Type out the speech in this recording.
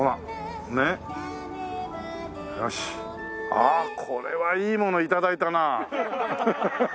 ああこれはいいものを頂いたな。